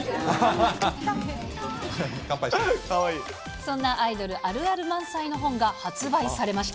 そんなアイドルあるある満載の本が発売されました。